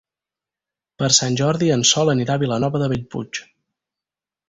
Per Sant Jordi en Sol anirà a Vilanova de Bellpuig.